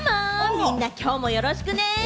みんなきょうもよろしくね！